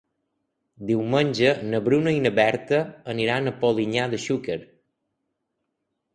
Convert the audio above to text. Diumenge na Bruna i na Berta aniran a Polinyà de Xúquer.